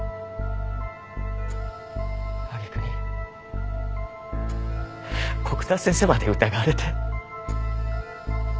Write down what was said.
揚げ句に古久沢先生まで疑われて。